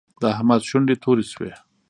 د احمد شونډې تورې شوې.